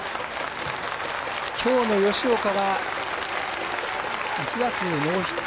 きょうの吉岡は１打数ノーヒット。